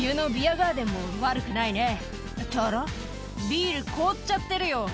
ビール凍っちゃってるよ」